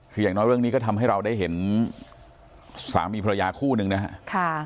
คืออย่างน้อยเรื่องนี้ก็ทำให้เราได้เห็นสามีภรรยาคู่หนึ่งนะครับ